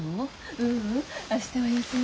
ううん明日は休み。